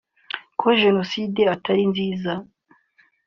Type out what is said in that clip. Ko Genocide atari nziza